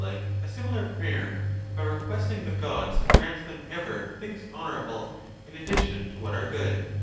ΤΊ a similar prayer, by requesting the gods to grant them ever? things honourable in addition to what are good